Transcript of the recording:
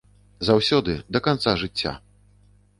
Заўсёды, да канца жыцця!